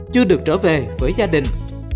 chưa được trở về với gia đình